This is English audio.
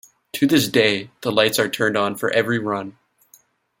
To this day, the lights are turned on for every run.